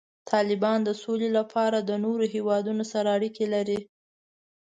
طالبان د سولې لپاره د نورو هیوادونو سره اړیکې لري.